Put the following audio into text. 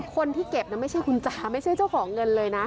คนที่เก็บไม่ใช่คุณจ๋าไม่ใช่เจ้าของเงินเลยนะ